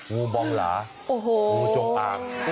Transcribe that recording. งูบองหลางูจงอาง